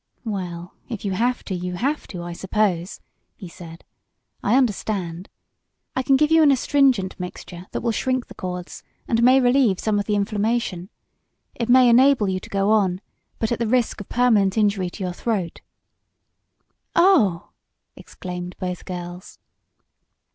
"Well, if you have to you have to, I suppose," he said. "I understand. I can give you an astringent mixture that will shrink the chords, and may relieve some of the inflammation. It may enable you to go on but at the risk of permanent injury to your throat." "Oh!" exclaimed both girls.